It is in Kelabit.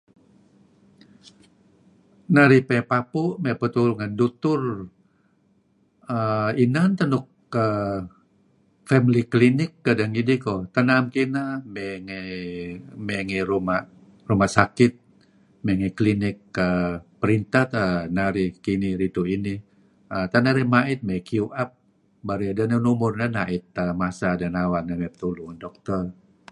Narih may papu', may petulu ngen dutur, uhm inan teh nuk uhm family klinik kedeh ngidih. Tak naem kineh may ngi ruma' ruma' sakit may ngi klinik uhm printeh uhm narih kinih ridtu' inih. Tak narih nait queue uhm idih beto' numur narih tuen deh nawar may petulur ngen Doctor